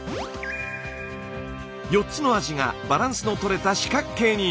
４つの味がバランスのとれた四角形に。